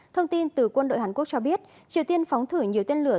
thông tin từ quân đội hàn quốc cho biết triều tiên phóng thử nhiều tên lửa